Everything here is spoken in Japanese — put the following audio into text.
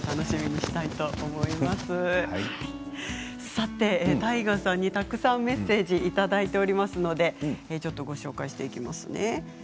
さて太賀さんにたくさんメッセージいただいておりますのでご紹介していきますね。